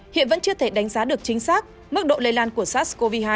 hiện vẫn chưa thể đánh giá được chính xác mức độ lây lan của sars cov hai